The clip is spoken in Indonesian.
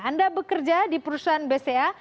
anda bekerja di perusahaan bca